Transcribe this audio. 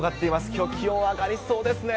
きょう、気温上がりそうですね。